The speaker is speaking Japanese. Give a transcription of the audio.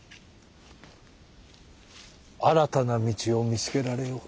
新たな道を見つけられよう。